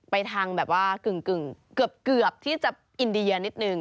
ไปทางแบบว่ากึ่งเกือบที่จะอินเดียนิดนึง